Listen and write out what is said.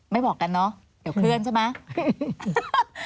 บอกกันเนอะเดี๋ยวเคลื่อนใช่ไหม